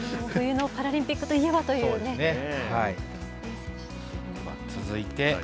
冬のパラリンピックといえばというね。